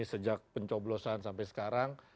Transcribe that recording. sejak pencoblosan sampai sekarang